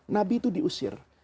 nabi itu diusir